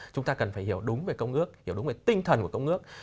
chúng ta cần phải hiểu đúng về công ước hiểu đúng về tinh thần của công ước